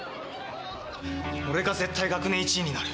俺が絶対学年１位になる。